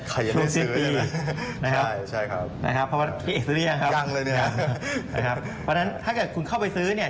เคยได้ซื้อใช่ไหมใช่ครับยังเลยนะครับพอถ้าเกิดเข้าไปซื้อ